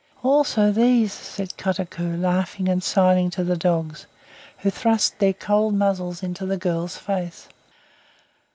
"Also these!" said Kotuko, laughing and signing to the dogs, who thrust their cold muzzles into the girl's face.